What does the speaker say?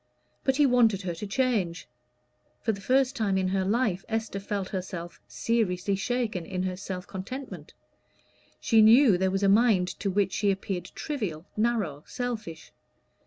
But he wanted her to change. For the first time in her life Esther felt herself seriously shaken in her self contentment. She knew there was a mind to which she appeared trivial, narrow, selfish.